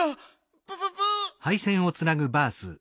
プププ？